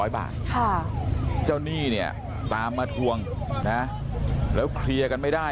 เจ้าหนี้เนี่ยตามมาทวงนะแล้วเคลียร์กันไม่ได้